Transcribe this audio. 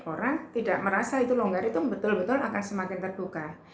orang tidak merasa itu longgar itu betul betul akan semakin terbuka